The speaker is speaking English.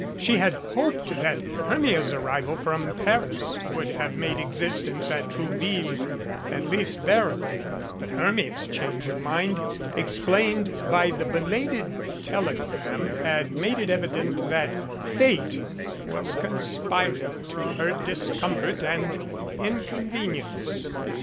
She had hoped that Hermia's arrival from Paris would have made existence at Trou ville at least bearable, but Hermia's change of mind ex plained by the belated telegram had made it evident that Fate was conspiring to her discomfort and inconvenience.